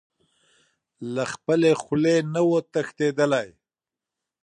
له خپلې خولې نه و تښتېدلی.